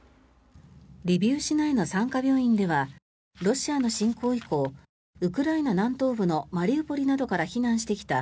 リビウ市内の産科病院ではロシアの侵攻以降ウクライナ南東部のマリウポリなどから避難してきた